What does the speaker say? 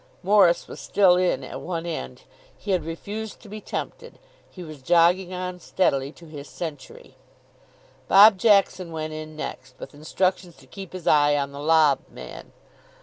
Morris was still in at one end. He had refused to be tempted. He was jogging on steadily to his century. Bob Jackson went in next, with instructions to keep his eye on the lob man.